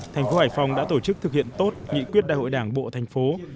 thành phố hải phòng đã tổ chức thực hiện tốt nghị quyết đại hội đảng bộ thành phố